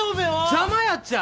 邪魔やっちゃ！